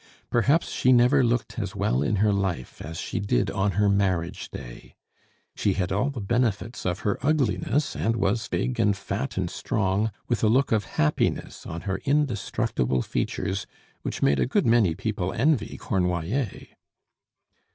Perhaps she never looked as well in her life as she did on her marriage day. She had all the benefits of her ugliness, and was big and fat and strong, with a look of happiness on her indestructible features which made a good many people envy Cornoiller.